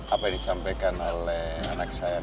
apa yang disampaikan oleh anak saya